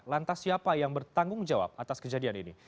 lantas siapa yang bertanggung jawab atas kejadian ini